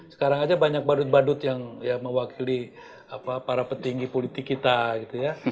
sekarang aja banyak badut badut yang mewakili para petinggi politik kita gitu ya